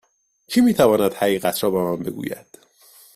کی می تواند حقیقت را به من بگوید؟